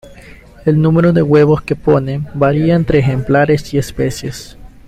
El número de huevos que ponen varía entre ejemplares y especies.